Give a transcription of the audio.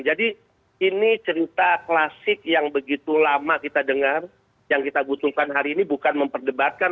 jadi ini cerita klasik yang begitu lama kita dengar yang kita butuhkan hari ini bukan memperdebatkan